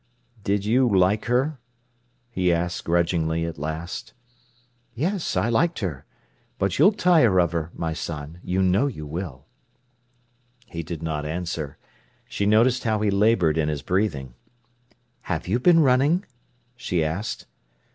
"Did you like her?" he asked grudgingly at last. "Yes, I liked her. But you'll tire of her, my son; you know you will." He did not answer. She noticed how he laboured in his breathing. "Have you been running?" she asked.